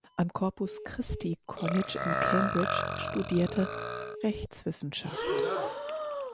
Am Corpus Christi College in Cambridge studierte Rechtswissenschaft.